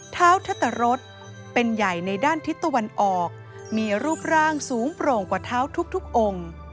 เท้าทัตรรสเป็นใหญ่ในด้านทิศตะวันออกมีรูปร่างสูงโปร่งกว่าเท้าทุกองค์